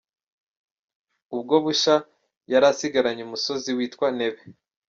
Ubwo Busha yari asigaranye umusozi witwa Ntebe.